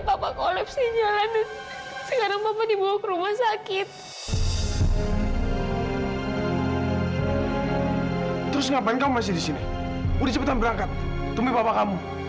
sampai jumpa di video selanjutnya